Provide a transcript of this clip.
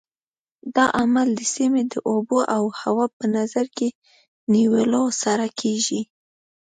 دا عمل د سیمې د اوبو او هوا په نظر کې نیولو سره کېږي.